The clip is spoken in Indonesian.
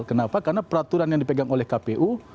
kenapa karena peraturan yang dipegang oleh kpu